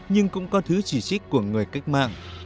nhưng cũng có thứ chỉ trích của người cách mạng